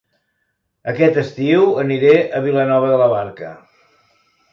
Aquest estiu aniré a Vilanova de la Barca